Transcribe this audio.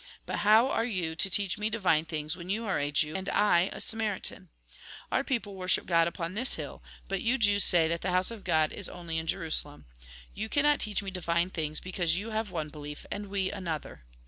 But how are you to teach me divine things, when you are a Jew and 36 THE GOSPEL IN BRIEF I a Samaritan ? Our people worship God upon this hill, but you Jews say that the house of God is only in Jerusalem. You cannot teach me divine things, because you have one belief, and we another."